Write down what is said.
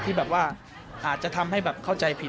ที่แบบว่าอาจจะทำให้แบบเข้าใจผิด